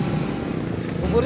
pindah pindah aja nih